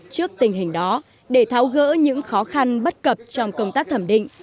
trước tình hình đó để tháo gỡ những khó khăn bất cập trong công tác thẩm định